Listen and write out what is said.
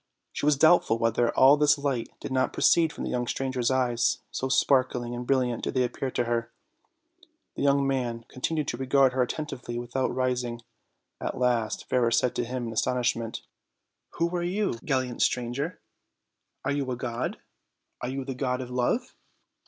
She was doubtful whether all this light did not proceed from the young stranger's eyes, so sparkling and brilliant did they appear to her. The young man con tinued to regard her attentively without rising; at last Fairer said to him in astonishment: "Who are you, gal 40 OLD, OLD FAIRY TALES. lant stranger? Are you a god? are you the god of love?"